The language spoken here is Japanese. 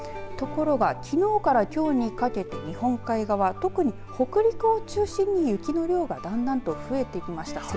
ところが、きのうからきょうにかけて日本海側特に北陸を中心に雪の量がだんだんと増えてきました。